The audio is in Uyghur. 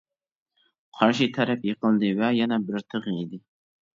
قارشى تەرەپ يىقىلدى ۋە يەنە بىر تىغ يېدى.